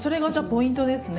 ポイントですね。